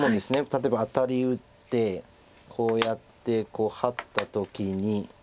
例えばアタリ打ってこうやってこうハッた時に。